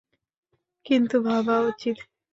কিন্তু ভাবা উচিত।